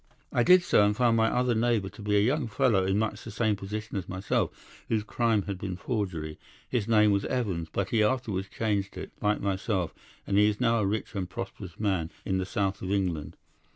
"'I did so, and found my other neighbour to be a young fellow in much the same position as myself, whose crime had been forgery. His name was Evans, but he afterwards changed it, like myself, and he is now a rich and prosperous man in the south of England.